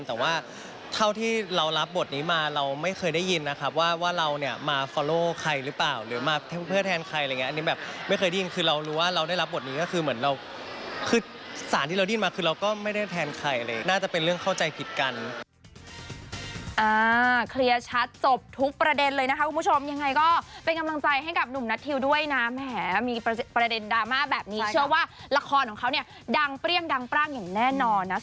แต่ว่าเท่าที่เรารับบทนี้มาเราไม่เคยได้ยิน